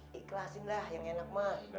jadi ikhlasinlah yang enak pak